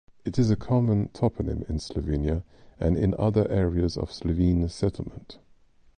It is a common toponym in Slovenia and in other areas of Slovene settlement.